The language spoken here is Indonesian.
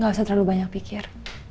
gak usah terlalu banyak pikir